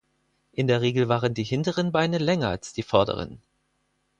In der Regel waren die hinteren Beine länger als die vorderen.